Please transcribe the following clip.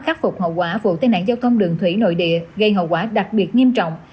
khắc phục hậu quả vụ tai nạn giao thông đường thủy nội địa gây hậu quả đặc biệt nghiêm trọng